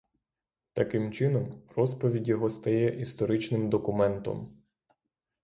Таким чином, розповідь його стає історичним документом.